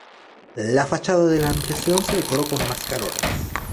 La fachada de la ampliación se decoró con mascarones.